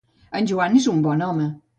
En Joan és un bon home.